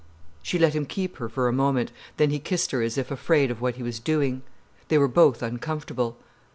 She let him keep her for a moment, then he kissed her as if afraid of what he was doing. They were both uncomfortable.